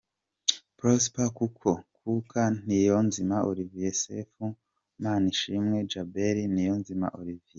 Prosper Kuka , Niyonzima Olivier Sefu, Manishimwe Djabel, Niyonzima Olivier